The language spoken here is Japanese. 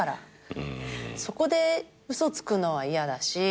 そこで嘘つくのは嫌だし。